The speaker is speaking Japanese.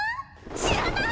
知らない！